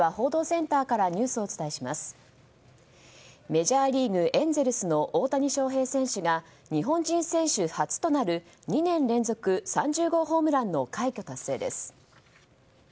メジャーリーグ、エンゼルスの大谷翔平選手が日本人選手初となる２年連続３０号ホームランの快挙達成です。